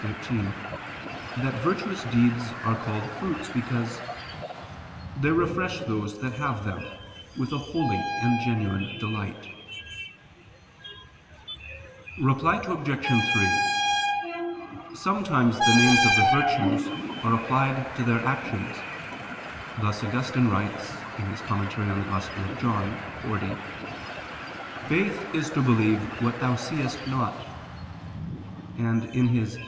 xiii) that virtuous deeds are called fruits because "they refresh those that have them, with a holy and genuine delight." Reply Obj. 3: Sometimes the names of the virtues are applied to their actions: thus Augustine writes (Tract. xl in Joan.): "Faith is to believe what thou seest not"; and (De Doctr.